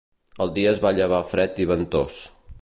El dia es va llevar fred i ventós.